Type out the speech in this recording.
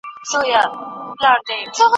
د پیغلو سره سالو یې ښکلي کړل پردي دښتونه